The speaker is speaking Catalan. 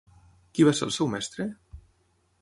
Qui va ser el seu mestre?